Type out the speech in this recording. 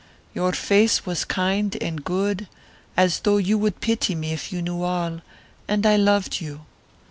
Your face was kind and good, as though you would pity me if you knew all, and I loved you.